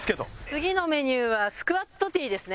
次のメニューはスクワットティーですね。